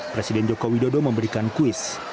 presiden joko widodo memberikan kuis